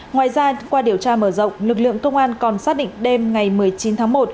ngoài ra qua điều tra mở rộng lực lượng công an còn xác định đêm ngày một mươi chín tháng một